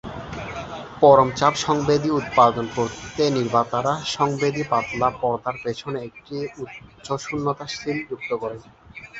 পরম চাপ সংবেদী উৎপাদন করতে নির্মাতারা সংবেদী পাতলা পর্দার পিছনে একটি উচ্চ শূন্যতার সীল যুক্ত করেন।